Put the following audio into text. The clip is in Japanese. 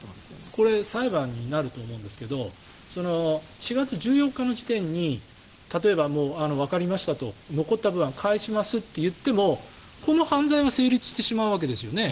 これ、裁判になると思うんですけど４月１４日の時点に例えば、わかりましたと残った分は返しますと言っても、この犯罪が成立してしまうわけですよね